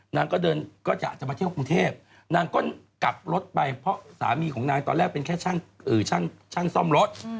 นางก็เดินก็จะมาเที่ยวกรุงเทพนางก็กลับรถไปเพราะสามีของนางตอนแรกเป็นแค่ช่างซ่อมรถ